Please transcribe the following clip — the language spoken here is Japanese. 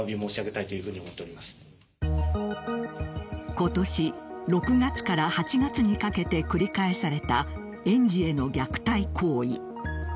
今年６月から８月にかけて繰り返された園児への虐待行為。